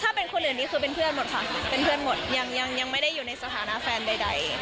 ถ้าเป็นคนอื่นนี้คือเป็นเพื่อนหมดค่ะเป็นเพื่อนหมดยังยังไม่ได้อยู่ในสถานะแฟนใด